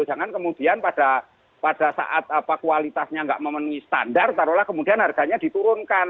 jangan kemudian pada saat kualitasnya nggak memenuhi standar taruhlah kemudian harganya diturunkan